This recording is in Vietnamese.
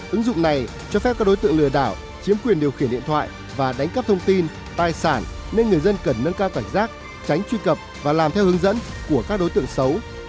ứng dụng này cho phép các đối tượng lừa đảo chiếm quyền điều khiển điện thoại và đánh cắp thông tin tài sản nên người dân cần nâng cao cảnh giác tránh truy cập và làm theo hướng dẫn của các đối tượng xấu